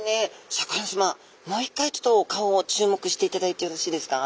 もう一回ちょっとお顔を注目していただいてよろしいですか？